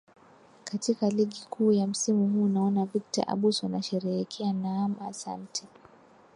katika ligi kuu ya msimu huu naona victor abuso anasherehekea naam asante